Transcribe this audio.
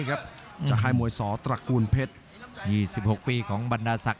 รับทราบบรรดาศักดิ์